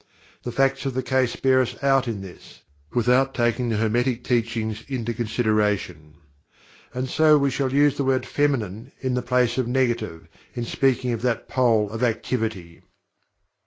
The facts of the case bear us out in this, without taking the Hermetic Teachings into consideration. And so we shall use the word "Feminine" in the place of "Negative" in speaking of that pole of activity.